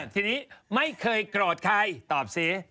ที่นี้ไม่เคยกรอบใครตอบซิ